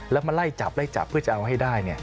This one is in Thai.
แล้วมาไล่จับไล่จับเพื่อจะเอาให้ได้